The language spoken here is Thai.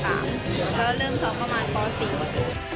ทีนี้พ่อก็เรียกกลับไปตอนป๓แล้วเริ่มตอนป๔